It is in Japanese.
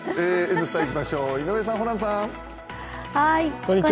「Ｎスタ」いきましょう、井上さん、ホランさん。